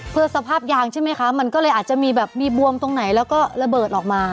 เพื่อสภาพยางใช่ไหมคะมันก็เลยอาจจะมีแบบมีบวมตรงไหนแล้วก็ระเบิดออกมา